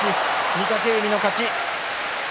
御嶽海の勝ち。